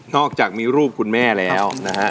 อกจากมีรูปคุณแม่แล้วนะฮะ